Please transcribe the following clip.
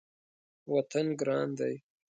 وطن ګران وي